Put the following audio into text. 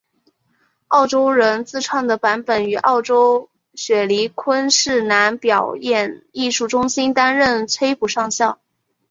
澳洲人自创的版本于澳洲雪梨昆士兰表演艺术中心担任崔普上校。